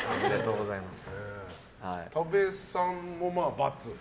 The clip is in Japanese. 多部さんも×。